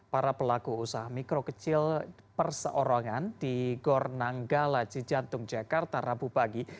para pelaku usaha mikro kecil perseorongan di gornanggala cijantung jakarta rabu pagi